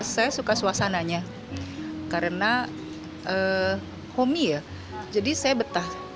saya suka suasananya karena homie ya jadi saya betah